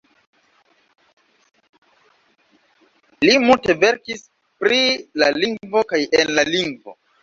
Li multe verkis pri la lingvo kaj en la lingvo.